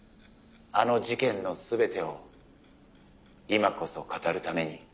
「あの事件の全てを今こそ語るために」。